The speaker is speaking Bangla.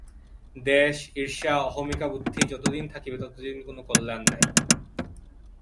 দ্বেষ, ঈর্ষা, অহমিকাবুদ্ধি যতদিন থাকিবে, ততদিন কোন কল্যাণ নাই।